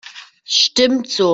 Stimmt so.